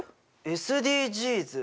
ＳＤＧｓ？